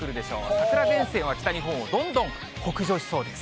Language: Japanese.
桜前線は北日本をどんどん北上しそうです。